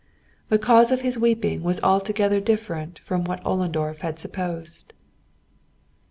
The cause of his weeping was altogether different from what Ollendorf had supposed.